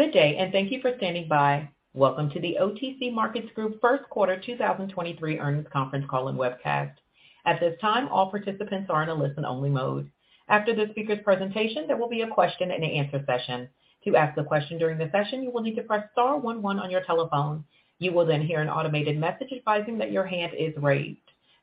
Good day, and thank you for standing by. Welcome to the OTC Markets Group 1st quarter 2023 earnings conference call and webcast. At this time, all participants are in a listen-only mode. After the speaker's presentation, there will be a question and answer session. To ask a question during the session, you will need to press star 11 on your telephone. You will then hear an automated message advising that your hand is raised.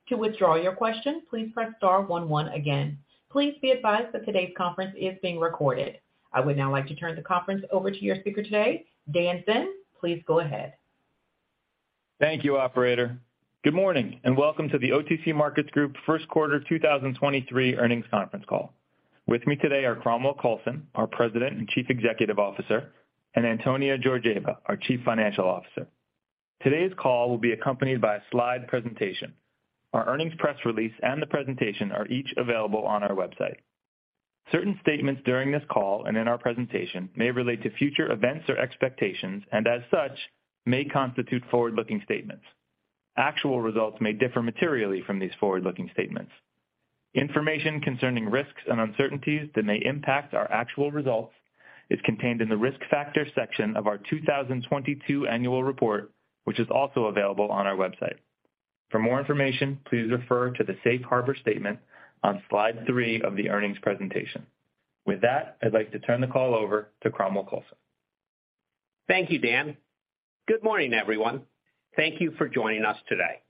To withdraw your question, please press star 11 again. Please be advised that today's conference is being recorded. I would now like to turn the conference over to your speaker today, Dan Tsinn. Please go ahead. Thank you, operator. Good morning, and welcome to the OTC Markets Group first quarter 2023 earnings conference call. With me today are Cromwell Coulson, our President and Chief Executive Officer, and Antonia Georgieva, our Chief Financial Officer. Today's call will be accompanied by a slide presentation. Our earnings press release and the presentation are each available on our website. Certain statements during this call and in our presentation may relate to future events or expectations, and as such, may constitute forward-looking statements. Actual results may differ materially from these forward-looking statements. Information concerning risks and uncertainties that may impact our actual results is contained in the Risk Factors section of our 2022 annual report, which is also available on our website. For more information, please refer to the Safe Harbor statement on slide 3 of the earnings presentation. With that, I'd like to turn the call over to Cromwell Coulson. Thank you, Dan. Good morning, everyone. Thank you for joining us today.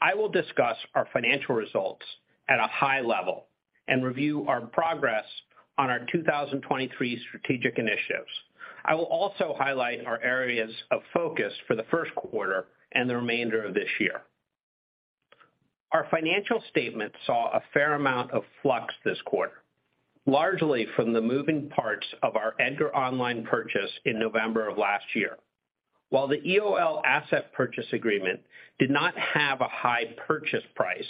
I will discuss our financial results at a high level and review our progress on our 2023 strategic initiatives. I will also highlight our areas of focus for the first quarter and the remainder of this year. Our financial statement saw a fair amount of flux this quarter, largely from the moving parts of our EDGAR Online purchase in November of last year. While the EOL asset purchase agreement did not have a high purchase price,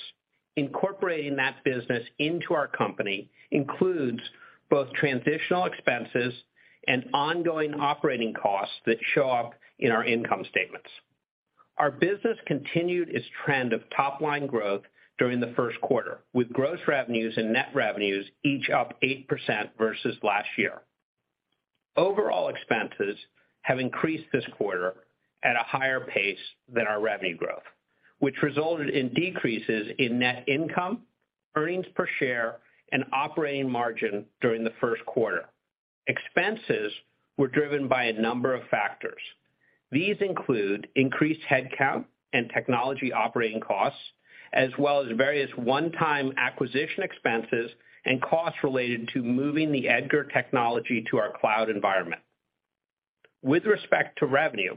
incorporating that business into our company includes both transitional expenses and ongoing operating costs that show up in our income statements. Our business continued its trend of top-line growth during the first quarter, with gross revenues and net revenues each up 8% versus last year. Overall expenses have increased this quarter at a higher pace than our revenue growth, which resulted in decreases in net income, earnings per share, and operating margin during the first quarter. Expenses were driven by a number of factors. These include increased headcount and technology operating costs, as well as various one-time acquisition expenses and costs related to moving the EDGAR technology to our cloud environment. With respect to revenue,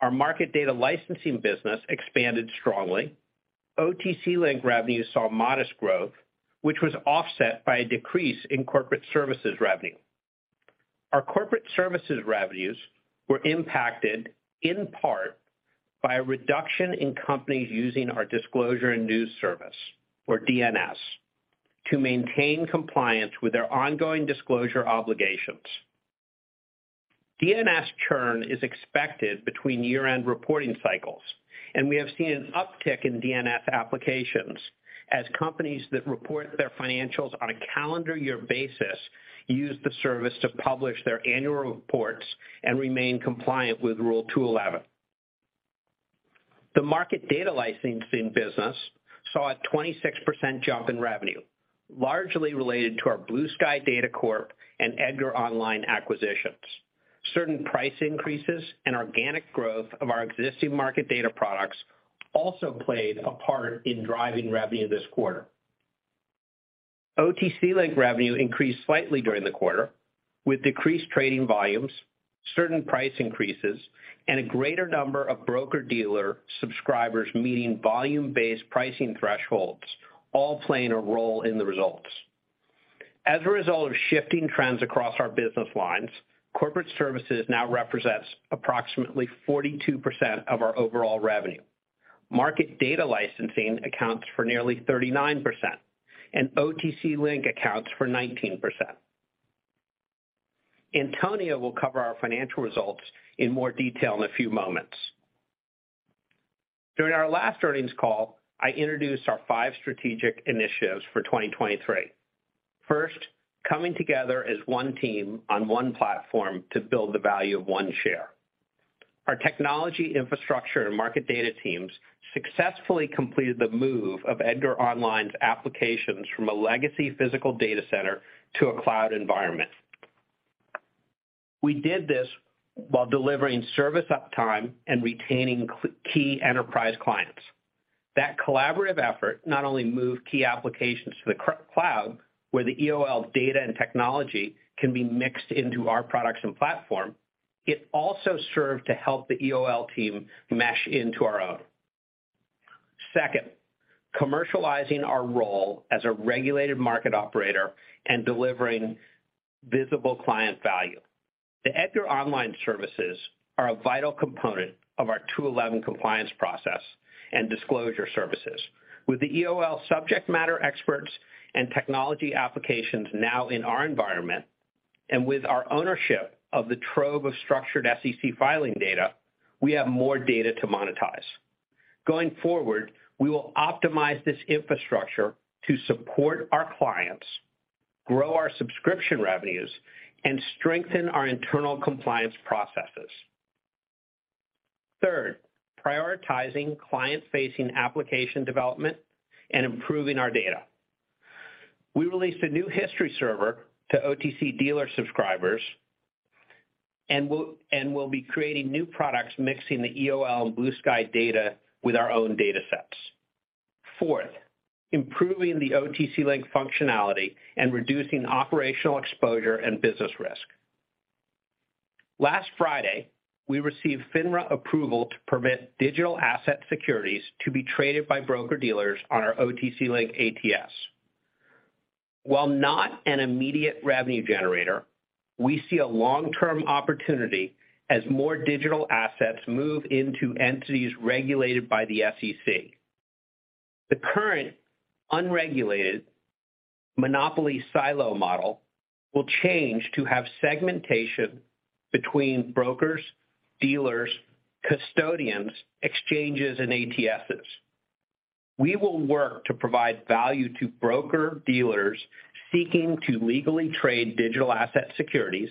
our Market Data Licensing business expanded strongly. OTC Link revenues saw modest growth, which was offset by a decrease in Corporate Services revenue. Our Corporate Services revenues were impacted in part by a reduction in companies using our Disclosure & News Service, or DNS, to maintain compliance with their ongoing disclosure obligations. DNS churn is expected between year-end reporting cycles, and we have seen an uptick in DNS applications as companies that report their financials on a calendar year basis use the service to publish their annual reports and remain compliant with Rule two eleven. The Market Data Licensing business saw a 26% jump in revenue, largely related to our Blue Sky Data Corp and EDGAR Online acquisitions. Certain price increases and organic growth of our existing market data products also played a part in driving revenue this quarter. OTC Link revenue increased slightly during the quarter, with decreased trading volumes, certain price increases, and a greater number of broker-dealer subscribers meeting volume-based pricing thresholds, all playing a role in the results. As a result of shifting trends across our business lines, Corporate Services now represents approximately 42% of our overall revenue. Market data licensing accounts for nearly 39%, and OTC Link accounts for 19%. Antonia will cover our financial results in more detail in a few moments. During our last earnings call, I introduced our five strategic initiatives for 2023. First, coming together as one team on one platform to build the value of one share. Our technology, infrastructure, and market data teams successfully completed the move of EDGAR Online's applications from a legacy physical data center to a cloud environment. We did this while delivering service uptime and retaining key enterprise clients. That collaborative effort not only moved key applications to the cloud, where the EOL data and technology can be mixed into our products and platform, it also served to help the EOL team mesh into our own. Second, commercializing our role as a regulated market operator and delivering visible client value. The EDGAR Online services are a vital component of our Rule 211 compliance process and disclosure services. With the EOL subject matter experts and technology applications now in our environment, and with our ownership of the trove of structured SEC filing data, we have more data to monetize. Going forward, we will optimize this infrastructure to support our clients, grow our subscription revenues, and strengthen our internal compliance processes. Third, prioritizing client-facing application development and improving our data. We released a new history server to OTC dealer subscribers and will be creating new products mixing the EOL Blue Sky data with our own datasets. Fourth, improving the OTC Link functionality and reducing operational exposure and business risk. Last Friday, we received FINRA approval to permit digital asset securities to be traded by broker-dealers on our OTC Link ATS. While not an immediate revenue generator, we see a long-term opportunity as more digital assets move into entities regulated by the SEC. The current unregulated monopoly silo model will change to have segmentation between brokers, dealers, custodians, exchanges, and ATSs. We will work to provide value to broker-dealers seeking to legally trade digital asset securities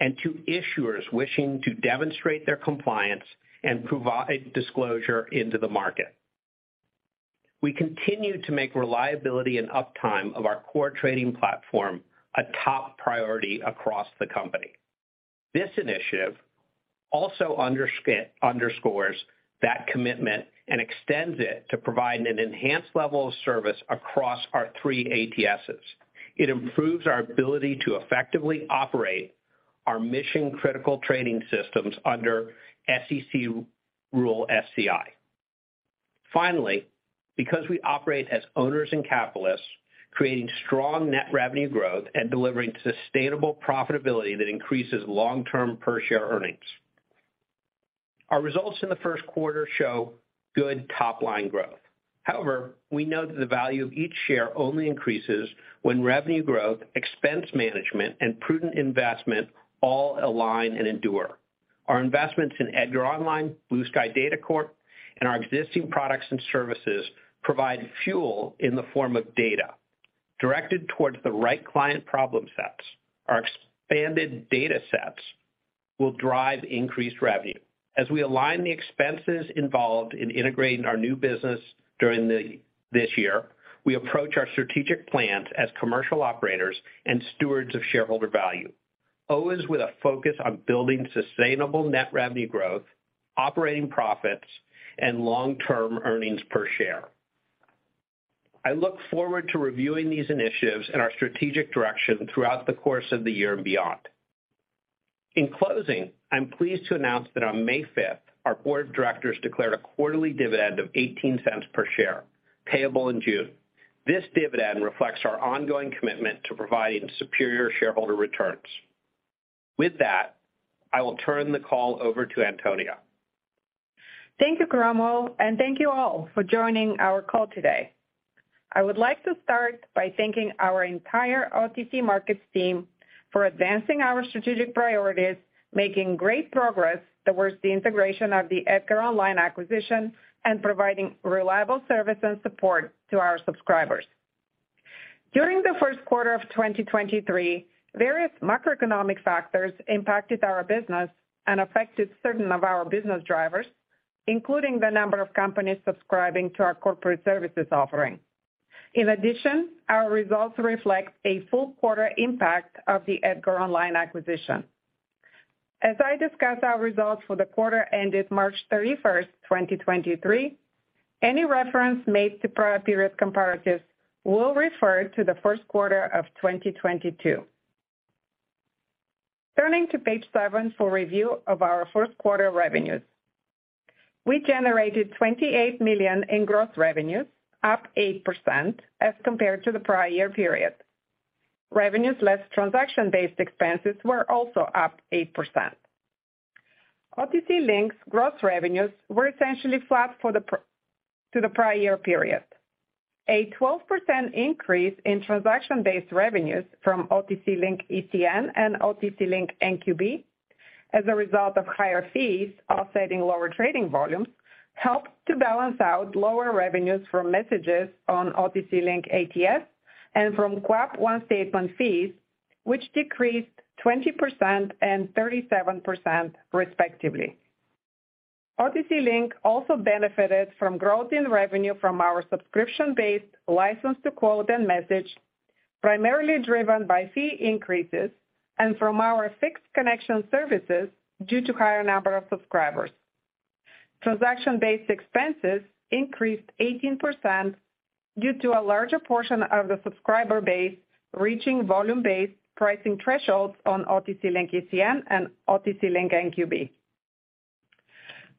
and to issuers wishing to demonstrate their compliance and provide disclosure into the market. We continue to make reliability and uptime of our core trading platform a top priority across the company. This initiative also underscores that commitment and extends it to provide an enhanced level of service across our three ATSs. It improves our ability to effectively operate our mission-critical trading systems under SEC rule SCI. Finally, because we operate as owners and capitalists, creating strong net revenue growth and delivering sustainable profitability that increases long-term per share earnings. Our results in the first quarter show good top-line growth. We know that the value of each share only increases when revenue growth, expense management, and prudent investment all align and endure. Our investments in EDGAR Online, Blue Sky Data Corp, and our existing products and services provide fuel in the form of data. Directed towards the right client problem sets, our expanded data sets will drive increased revenue. We align the expenses involved in integrating our new business during this year, we approach our strategic plans as commercial operators and stewards of shareholder value, always with a focus on building sustainable net revenue growth, operating profits, and long-term earnings per share. I look forward to reviewing these initiatives and our strategic direction throughout the course of the year and beyond. In closing, I'm pleased to announce that on May fifth, our board of directors declared a quarterly dividend of $0.18 per share, payable in June. This dividend reflects our ongoing commitment to providing superior shareholder returns. With that, I will turn the call over to Antonia. Thank you, Cromwell, and thank you all for joining our call today. I would like to start by thanking our entire OTC Markets team for advancing our strategic priorities, making great progress towards the integration of the EDGAR Online acquisition, and providing reliable service and support to our subscribers. During the 1st quarter of 2023, various macroeconomic factors impacted our business and affected certain of our business drivers, including the number of companies subscribing to our Corporate Services offering. In addition, our results reflect a full quarter impact of the EDGAR Online acquisition. As I discuss our results for the quarter ended March 31st, 2023, any reference made to prior period comparatives will refer to the 1st quarter of 2022. Turning to page 7 for review of our 1st quarter revenues. We generated $28 million in gross revenues, up 8% as compared to the prior year period. Revenues less transaction-based expenses were also up 8%. OTC Link's gross revenues were essentially flat to the prior year period. A 12% increase in transaction-based revenues from OTC Link ECN and OTC Link NQB as a result of higher fees offsetting lower trading volumes helped to balance out lower revenues from messages on OTC Link ATS and from QAP 1 Statement fees, which decreased 20% and 37% respectively. OTC Link also benefited from growth in revenue from our subscription-based license to quote and message, primarily driven by fee increases and from our fixed connection services due to higher number of subscribers. Transaction-based expenses increased 18% due to a larger portion of the subscriber base reaching volume-based pricing thresholds on OTC Link ECN and OTC Link NQB.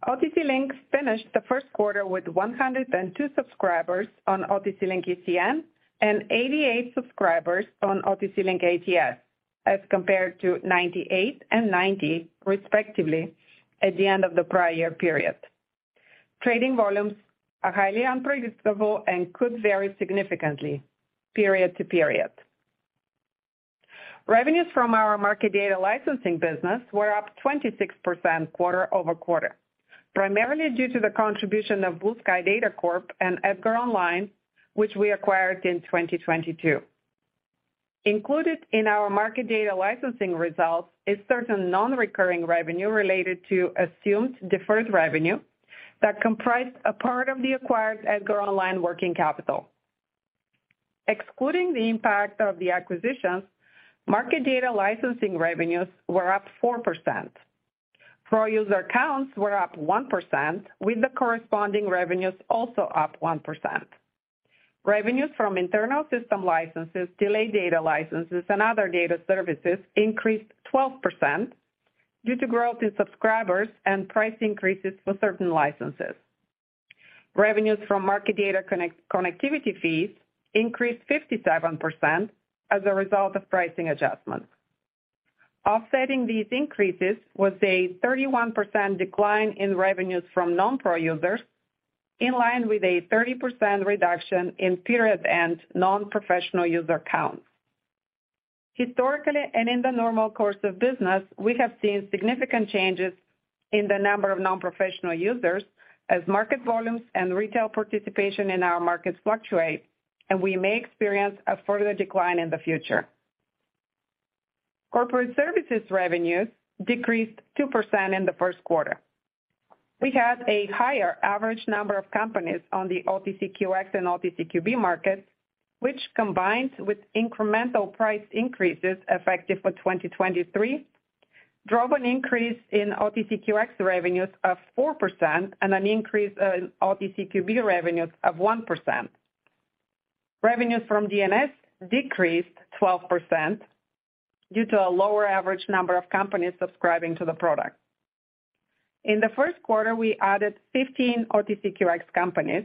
OTC Link finished the first quarter with 102 subscribers on OTC Link ECN and 88 subscribers on OTC Link ATS, as compared to 98 and 90 respectively at the end of the prior year period. Trading volumes are highly unpredictable and could vary significantly period to period. Revenues from our Market Data Licensing business were up 26% quarter-over-quarter, primarily due to the contribution of Blue Sky Data Corp and EDGAR Online, which we acquired in 2022. Included in our Market Data Licensing results is certain non-recurring revenue related to assumed deferred revenue that comprised a part of the acquired EDGAR Online working capital. Excluding the impact of the acquisitions, Market Data Licensing revenues were up 4%. Pro user counts were up 1%, with the corresponding revenues also up 1%. Revenues from internal system licenses, delayed data licenses, and other data services increased 12% due to growth in subscribers and price increases for certain licenses. Revenues from market data connect-connectivity fees increased 57% as a result of pricing adjustments. Offsetting these increases was a 31% decline in revenues from non-pro users, in line with a 30% reduction in period and non-professional user counts. Historically, and in the normal course of business, we have seen significant changes in the number of non-professional users as market volumes and retail participation in our markets fluctuate, and we may experience a further decline in the future. Corporate Services revenues decreased 2% in the first quarter. We had a higher average number of companies on the OTCQX and OTCQB markets, which, combined with incremental price increases effective for 2023, drove an increase in OTCQX revenues of 4% and an increase in OTCQB revenues of 1%. Revenues from DNS decreased 12% due to a lower average number of companies subscribing to the product. In the first quarter, we added 15 OTCQX companies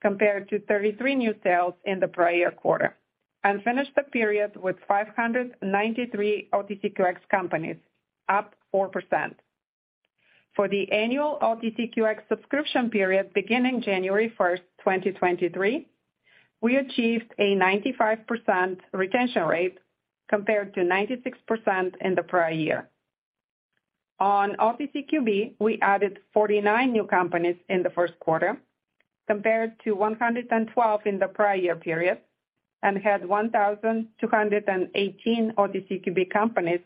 compared to 33 new sales in the prior quarter and finished the period with 593 OTCQX companies, up 4%. For the annual OTCQX subscription period beginning January first, 2023, we achieved a 95% retention rate compared to 96% in the prior year. On OTCQB, we added 49 new companies in the first quarter compared to 112 in the prior year period and had 1,218 OTCQB companies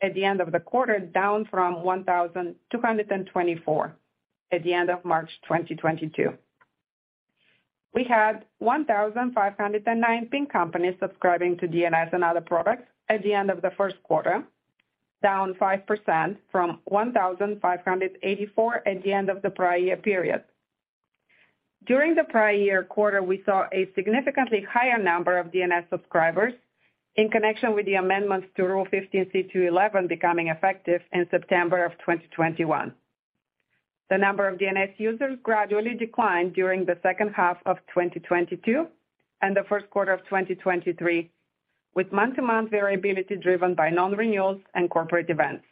at the end of the quarter, down from 1,224 at the end of March 2022. We had 1,509 paying companies subscribing to DNS and other products at the end of the first quarter, down 5% from 1,584 at the end of the prior year period. During the prior year quarter, we saw a significantly higher number of DNS subscribers in connection with the amendments to Rule 15 C two eleven becoming effective in September of 2021. The number of DNS users gradually declined during the second half of 2022 and the first quarter of 2023, with month-to-month variability driven by non-renewals and corporate events.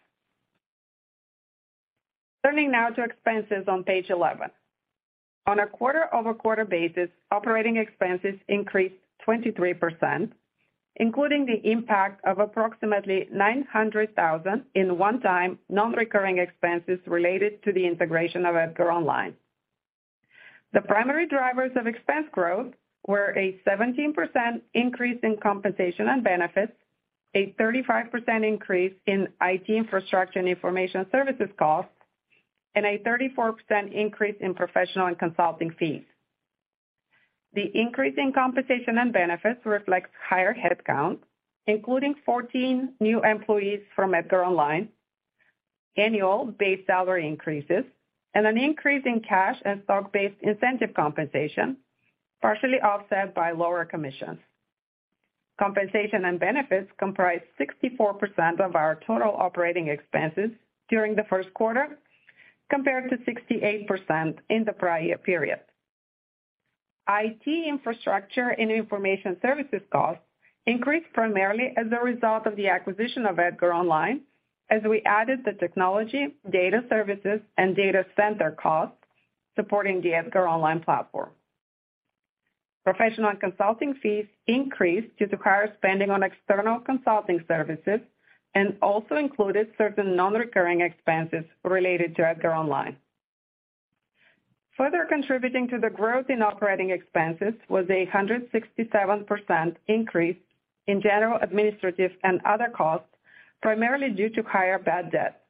Turning now to expenses on page 11. On a quarter-over-quarter basis, operating expenses increased 23%, including the impact of approximately $900,000 in one-time non-recurring expenses related to the integration of EDGAR Online. The primary drivers of expense growth were a 17% increase in compensation and benefits, a 35% increase in IT infrastructure and information services costs, and a 34% increase in professional and consulting fees. The increase in compensation and benefits reflects higher headcount, including 14 new employees from EDGAR Online, annual base salary increases, and an increase in cash and stock-based incentive compensation, partially offset by lower commissions. Compensation and benefits comprised 64% of our total operating expenses during the first quarter, compared to 68% in the prior year period. IT infrastructure and information services costs increased primarily as a result of the acquisition of EDGAR Online as we added the technology, data services, and data center costs supporting the EDGAR Online platform. Professional and consulting fees increased due to higher spending on external consulting services and also included certain non-recurring expenses related to EDGAR Online. Further contributing to the growth in operating expenses was a 167% increase in general, administrative and other costs, primarily due to higher bad debt.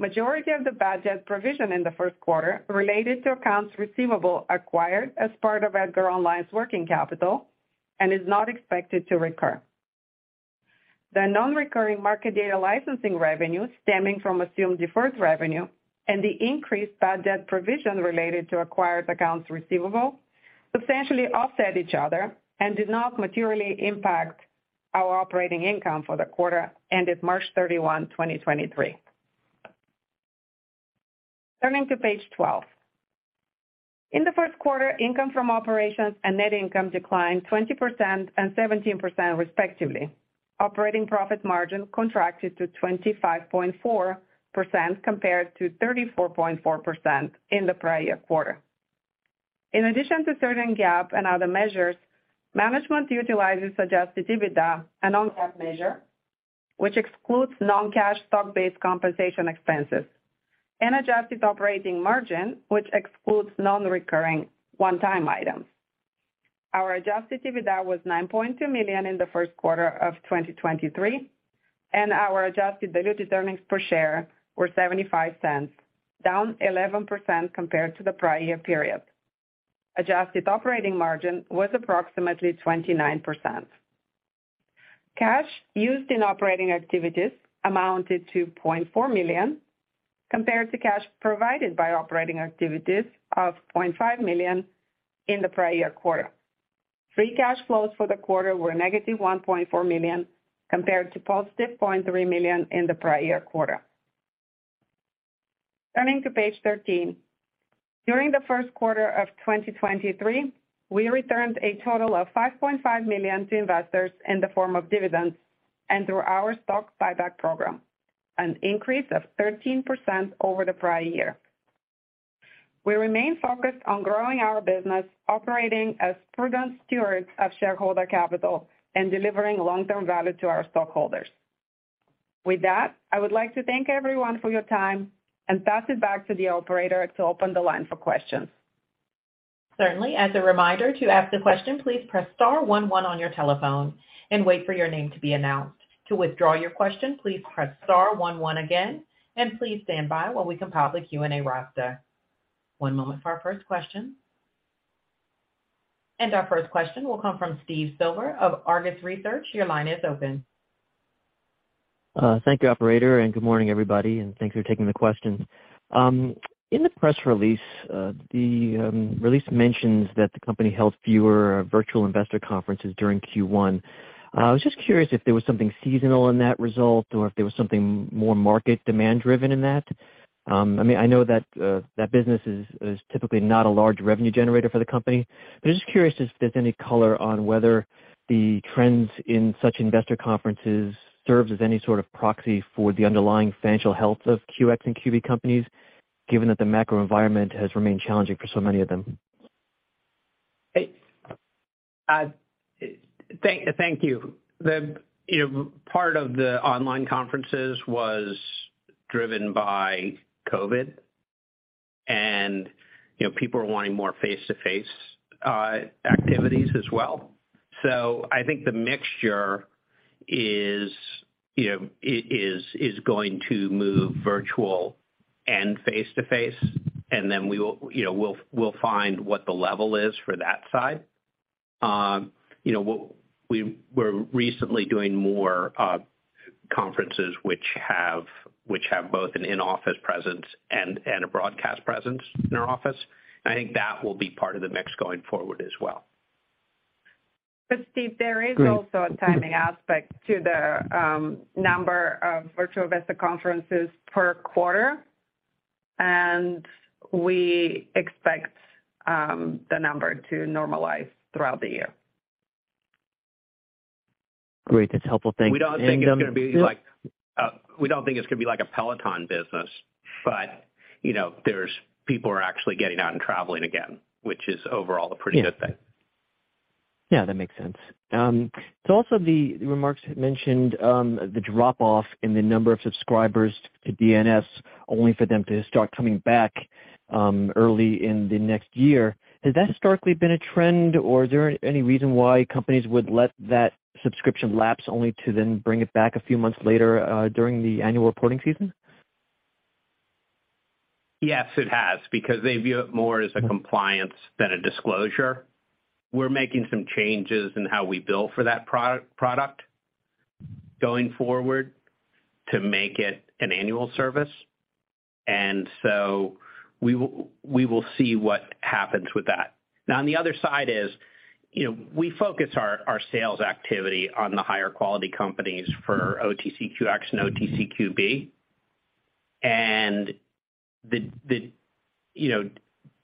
Majority of the bad debt provision in the first quarter related to accounts receivable acquired as part of EDGAR Online's working capital and is not expected to recur. The non-recurring Market Data Licensing revenue stemming from assumed deferred revenue and the increased bad debt provision related to acquired accounts receivable substantially offset each other and did not materially impact our operating income for the quarter ended March 31, 2023. Turning to page 12. In the first quarter, income from operations and net income declined 20% and 17% respectively. Operating profit margin contracted to 25.4% compared to 34.4% in the prior year quarter. In addition to certain GAAP and other measures, management utilizes adjusted EBITDA and non-GAAP measure, which excludes non-cash stock-based compensation expenses, and adjusted operating margin, which excludes non-recurring one-time items. Our adjusted EBITDA was $9.2 million in the first quarter of 2023, and our adjusted diluted earnings per share were $0.75, down 11% compared to the prior year period. Adjusted operating margin was approximately 29%. Cash used in operating activities amounted to $0.4 million compared to cash provided by operating activities of $0.5 million in the prior year quarter. Free cash flows for the quarter were negative $1.4 million compared to positive $0.3 million in the prior year quarter. Turning to page 13. During the first quarter of 2023, we returned a total of $5.5 million to investors in the form of dividends and through our stock buyback program, an increase of 13% over the prior year. We remain focused on growing our business, operating as prudent stewards of shareholder capital and delivering long-term value to our stockholders. I would like to thank everyone for your time and pass it back to the operator to open the line for questions. Certainly. As a reminder, to ask the question, please press star one one on your telephone and wait for your name to be announced. To withdraw your question, please press star one one again, please stand by while we compile the Q&A roster. One moment for our first question. Our first question will come from Steve Silver of Argus Research. Your line is open. Thank you, operator, good morning, everybody, and thanks for taking the questions. In the press release, the release mentions that the company held fewer virtual investor conferences during Q1. I was just curious if there was something seasonal in that result or if there was something more market demand driven in that. I mean, I know that business is typically not a large revenue generator for the company, but just curious if there's any color on whether the trends in such investor conferences serves as any sort of proxy for the underlying financial health of OTCQX and OTCQB companies, given that the macro environment has remained challenging for so many of them. Hey, thank you. The, you know, part of the online conferences was driven by COVID and, you know, people are wanting more face-to-face activities as well. I think the mixture is, you know, is going to move virtual and face-to-face, and then we will, you know, we'll find what the level is for that side. You know, we were recently doing more conferences which have both an in-office presence and a broadcast presence in our office. I think that will be part of the mix going forward as well. Steve, there is also a timing aspect to the number of virtual investor conferences per quarter, and we expect the number to normalize throughout the year. Great. That's helpful. Thank you. We don't think it's gonna be like a Peloton business. You know, there's people are actually getting out and traveling again, which is overall a pretty good thing. Yeah. Yeah, that makes sense. Also the remarks mentioned the drop-off in the number of subscribers to DNS only for them to start coming back early in the next year. Has that historically been a trend, or is there any reason why companies would let that subscription lapse only to then bring it back a few months later during the annual reporting season? Yes, it has, because they view it more as a compliance than a disclosure. We're making some changes in how we bill for that product going forward to make it an annual service. We will see what happens with that. On the other side is, you know, we focus our sales activity on the higher quality companies for OTCQX and OTCQB. The, you know,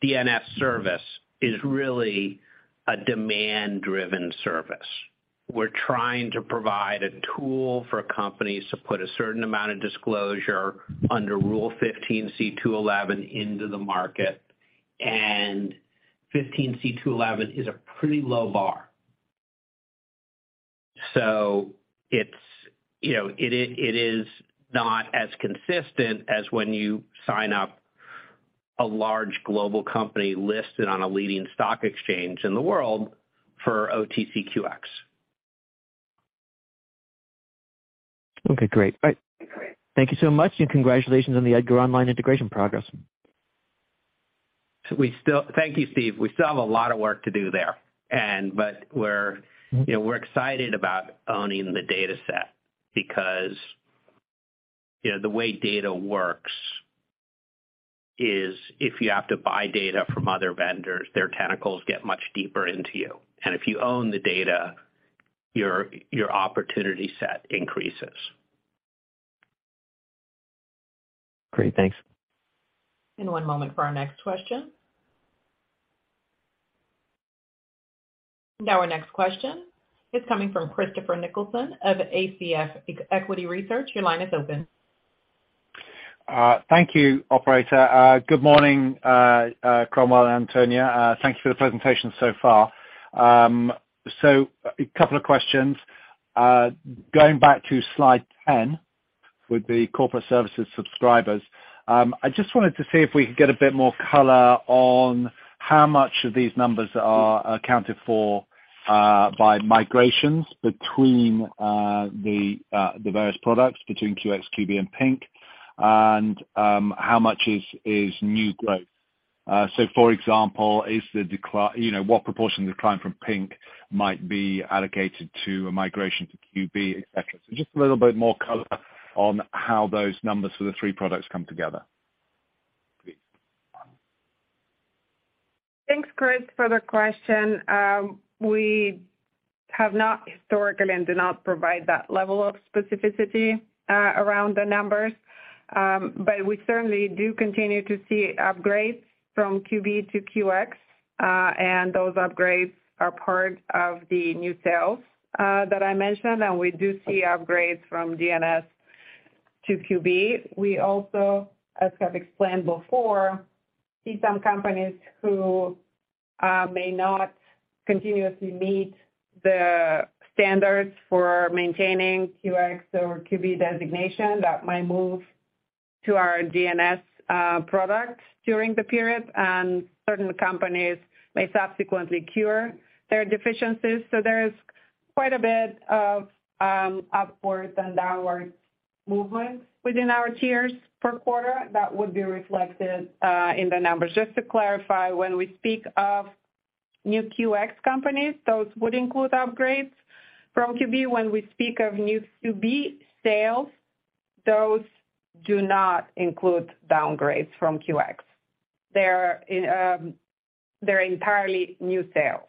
DNS service is really a demand-driven service. We're trying to provide a tool for companies to put a certain amount of disclosure under Rule 15 C two eleven into the market, and 15 C two eleven is a pretty low bar. It's, you know, it is not as consistent as when you sign up a large global company listed on a leading stock exchange in the world for OTCQX. Okay, great. Thank you so much. Congratulations on the EDGAR Online integration progress. Thank you, Steve. We still have a lot of work to do there. We're, you know, we're excited about owning the dataset because, you know, the way data works is if you have to buy data from other vendors, their tentacles get much deeper into you. If you own the data, your opportunity set increases. Great. Thanks. One moment for our next question. Our next question is coming from Christopher Nicholson of ACF Equity Research. Your line is open. Thank you operator. Good morning, Cromwell and Antonia. Thank you for the presentation so far. A couple of questions. Going back to slide 10, with the Corporate Services subscribers. I just wanted to see if we could get a bit more color on how much of these numbers are accounted for by migrations between the various products between QX, QB, and Pink. And how much is new growth. For example, is the decline, you know, what proportion of decline from Pink might be allocated to a migration to QB, et cetera? Just a little bit more color on how those numbers for the three products come together, please. Thanks, Chris, for the question. We have not historically and do not provide that level of specificity around the numbers. We certainly do continue to see upgrades from QB to QX. Those upgrades are part of the new sales that I mentioned. We do see upgrades from DNS to QB. We also, as I've explained before, see some companies who may not continuously meet the standards for maintaining QX or QB designation that might move to our DNS product during the period, and certain companies may subsequently cure their deficiencies. There's quite a bit of upwards and downwards movement within our tiers per quarter that would be reflected in the numbers. Just to clarify, when we speak of new QX companies, those would include upgrades from QB. When we speak of new OTCQB sales, those do not include downgrades from OTCQX. They're entirely new sales.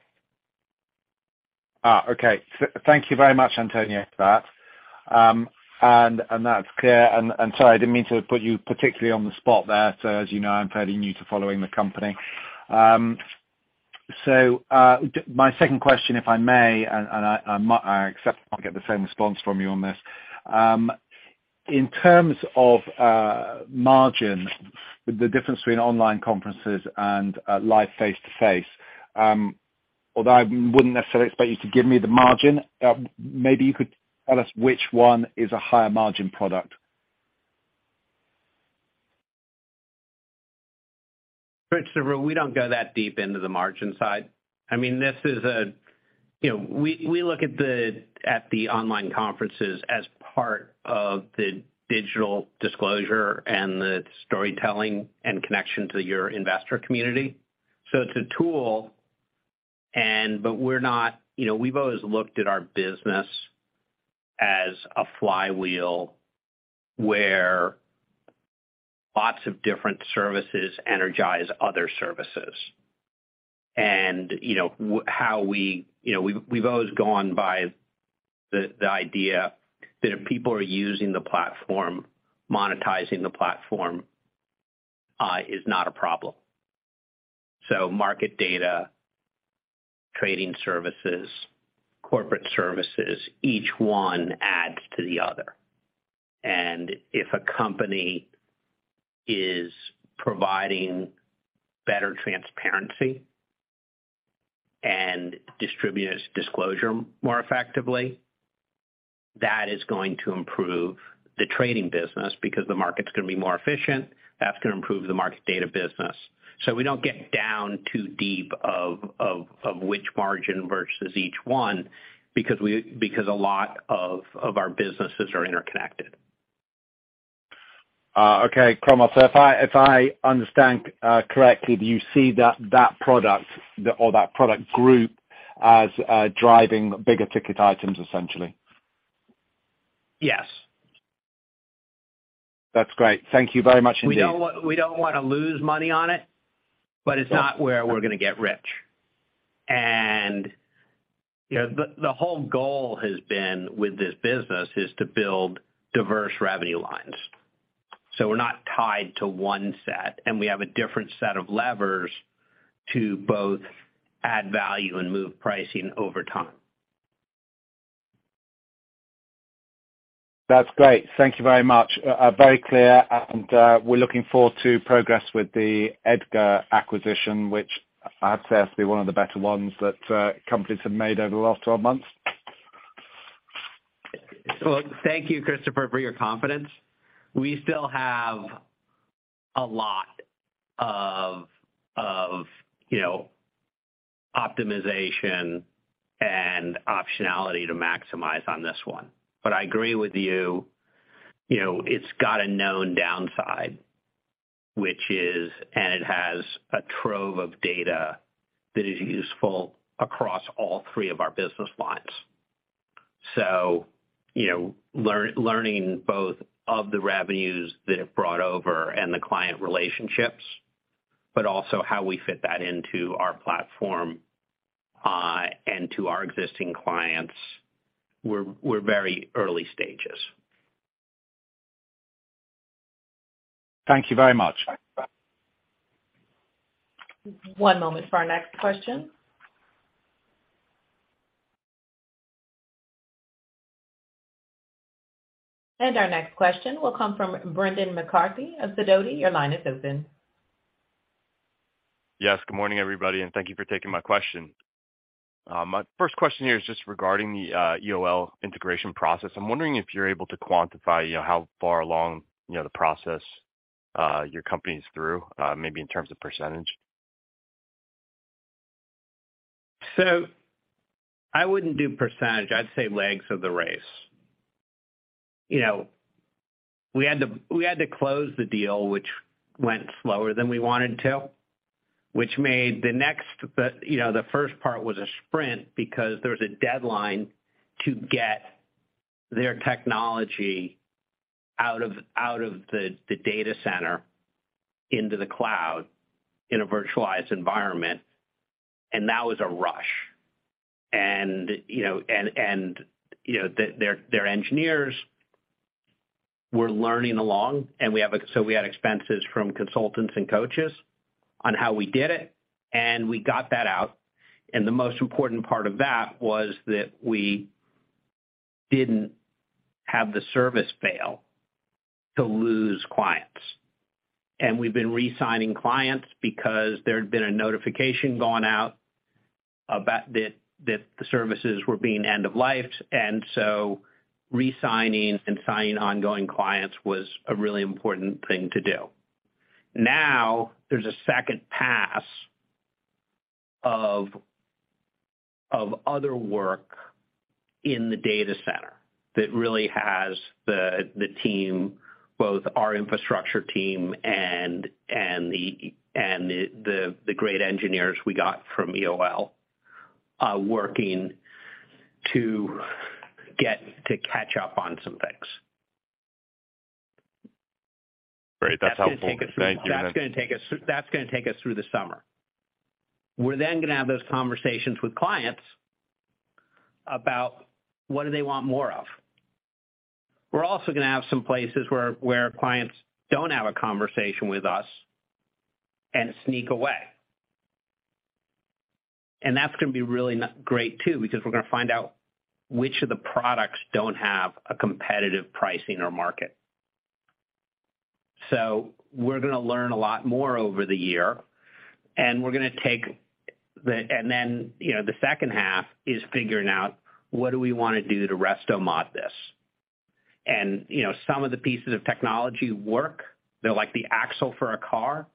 Okay. Thank you very much, Antonia, for that. That's clear. Sorry, I didn't mean to put you particularly on the spot there. As you know, I'm fairly new to following the company. My second question, if I may, and I accept I'll get the same response from you on this. In terms of margin, the difference between online conferences and live face-to-face, although I wouldn't necessarily expect you to give me the margin, maybe you could tell us which one is a higher margin product. Christopher, we don't go that deep into the margin side. I mean, this is. You know, we look at the online conferences as part of the digital disclosure and the storytelling and connection to your investor community. It's a tool. You know, we've always looked at our business as a flywheel, where lots of different services energize other services. You know, how we. You know, we've always gone by the idea that if people are using the platform, monetizing the platform, is not a problem. Market Data, trading services, Corporate Services, each one adds to the other. If a company is providing better transparency and distributes disclosure more effectively, that is going to improve the trading business because the market's gonna be more efficient. That's gonna improve the market data business. We don't get down too deep of which margin versus each one because a lot of our businesses are interconnected. Okay. Cromwell, if I understand correctly, do you see that product or that product group as driving bigger ticket items, essentially? Yes. That's great. Thank you very much indeed. We don't wanna lose money on it, but it's not where we're gonna get rich. You know, the whole goal has been, with this business, is to build diverse revenue lines. We're not tied to on e set, and we have a different set of levers to both add value and move pricing over time. That's great. Thank you very much. very clear and, we're looking forward to progress with the EDGAR acquisition, which I have to say has to be one of the better ones that companies have made over the last 12 months. Well, thank you, Christopher, for your confidence. We still have a lot of, you know, optimization and optionality to maximize on this one. I agree with you know, it's got a known downside, which is... It has a trove of data that is useful across all three of our business lines. You know, learning both of the revenues that it brought over and the client relationships, but also how we fit that into our platform and to our existing clients. We're very early stages. Thank you very much. One moment for our next question. Our next question will come from Brendan McCarthy of Sidoti. Your line is open. Yes, good morning, everybody, and thank you for taking my question. My first question here is just regarding the EOL integration process. I'm wondering if you're able to quantify, you know, how far along, you know, the process your company's through, maybe in terms of %? I wouldn't do percentage, I'd say legs of the race. You know, we had to close the deal, which went slower than we wanted to, which made the next, you know, the first part was a sprint because there was a deadline to get their technology out of the data center into the cloud in a virtualized environment, and that was a rush. You know, and, you know, their engineers were learning along so we had expenses from consultants and coaches on how we did it, and we got that out. The most important part of that was that we didn't have the service fail to lose clients. We've been re-signing clients because there had been a notification going out about that the services were being end of life. Re-signing and signing ongoing clients was a really important thing to do. Now there's a second pass of other work in the data center that really has the team, both our infrastructure team and the great engineers we got from EOL, working to get to catch up on some things. Great. That's helpful. Thank you. That's gonna take us through the summer. We're then gonna have those conversations with clients about what do they want more of. We're also gonna have some places where clients don't have a conversation with us and sneak away. That's gonna be really great too, because we're gonna find out which of the products don't have a competitive pricing or market. We're gonna learn a lot more over the year, and we're gonna take the... Then, you know, the second half is figuring out what do we wanna do to resto-mod this. You know, some of the pieces of technology work. They're like the axle for a car.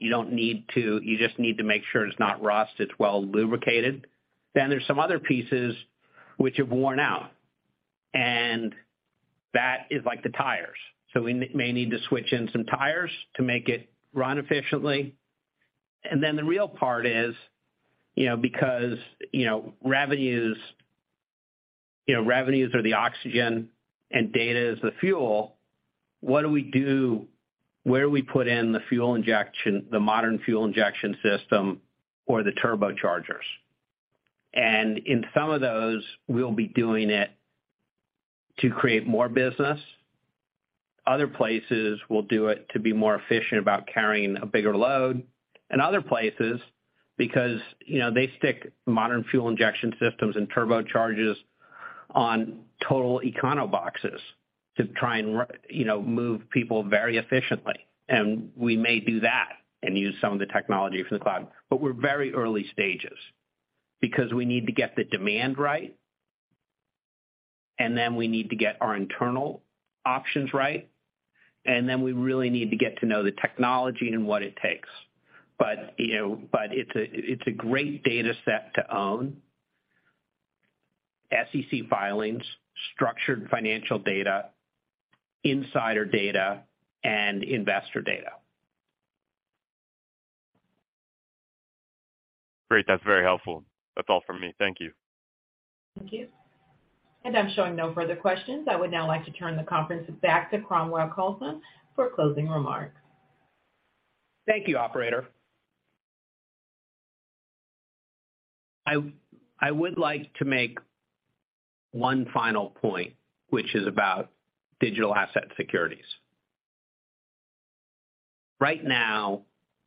You just need to make sure it's not rust, it's well lubricated. There's some other pieces which have worn out, and that is like the tires. We may need to switch in some tires to make it run efficiently. The real part is, you know, because, you know, revenues, you know, revenues are the oxygen and data is the fuel, what do we do? Where we put in the fuel injection, the modern fuel injection system or the turbochargers. In some of those, we'll be doing it to create more business. Other places will do it to be more efficient about carrying a bigger load. Other places, because, you know, they stick modern fuel injection systems and turbochargers on total econo-boxes to try and you know, move people very efficiently. We may do that and use some of the technology for the cloud. We're very early stages because we need to get the demand right, and then we need to get our internal options right, and then we really need to get to know the technology and what it takes. You know, it's a great data set to own. SEC filings, structured financial data, insider data, and investor data. Great. That's very helpful. That's all from me. Thank you. Thank you. I'm showing no further questions. I would now like to turn the conference back to Cromwell Coulson for closing remarks. Thank you, operator. I would like to make one final point, which is about digital asset securities. Right now,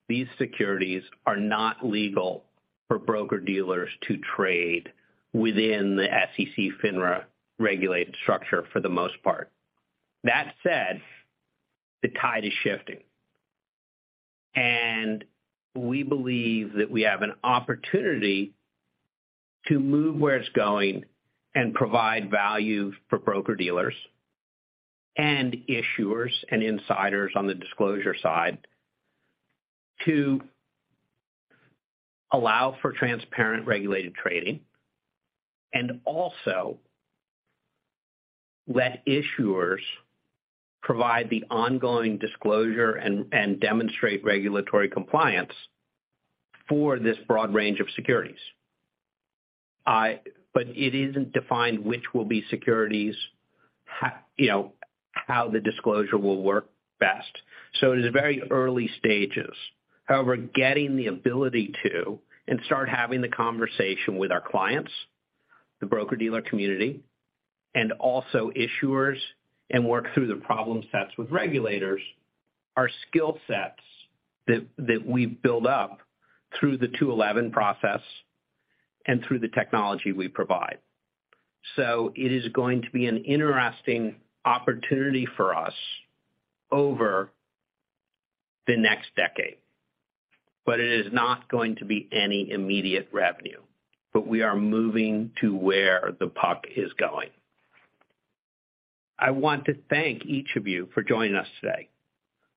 these securities are not legal for broker-dealers to trade within the SEC FINRA regulated structure for the most part. That said, the tide is shifting, and we believe that we have an opportunity to move where it's going and provide value for broker-dealers and issuers and insiders on the disclosure side to allow for transparent regulated trading, and also let issuers provide the ongoing disclosure and demonstrate regulatory compliance for this broad range of securities. It isn't defined which will be securities, how, you know, how the disclosure will work best. It is very early stages. Getting the ability to, and start having the conversation with our clients, the broker-dealer community, and also issuers, and work through the problem sets with regulators are skill sets that we've built up through the Rule two eleven process and through the technology we provide. It is going to be an interesting opportunity for us over the next decade, but it is not going to be any immediate revenue. We are moving to where the puck is going. I want to thank each of you for joining us today.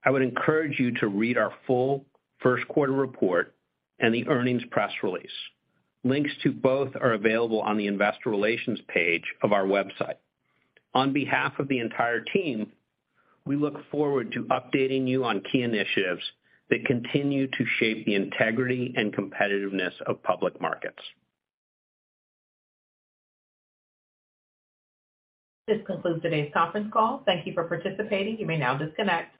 I would encourage you to read our full first quarter report and the earnings press release. Links to both are available on the investor relations page of our website. On behalf of the entire team, we look forward to updating you on key initiatives that continue to shape the integrity and competitiveness of public markets. This concludes today's conference call. Thank you for participating. You may now disconnect.